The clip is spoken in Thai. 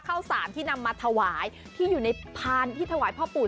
ข้าวสารที่นำมาถวายที่อยู่ในพานที่ถวายพ่อปู่